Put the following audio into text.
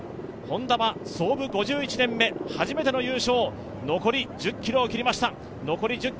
Ｈｏｎｄａは創部５１年目、初めての優勝、残り１０ｋｍを切りました。